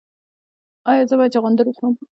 ایا زه باید چغندر وخورم؟